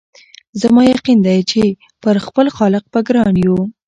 زما یقین دی چي پر خپل خالق به ګران یو